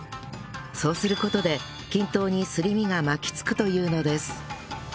そうする事で均等にすり身が巻き付くというのです